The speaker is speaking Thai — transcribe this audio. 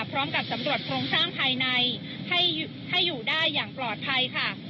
พร้อมกับสำรวจโครงสร้างภายในให้อยู่ได้อย่างปลอดภัยค่ะ